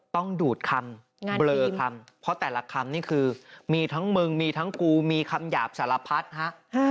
ต้องดูดคำเบลอคำเพราะแต่ละคำนี่คือมีทั้งมึงมีทั้งกูมีคำหยาบสารพัดฮะ